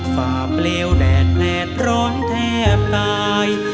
ฝ่าเปลวแดดแดดร้อนแทบตาย